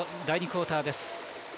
第２クオーターです。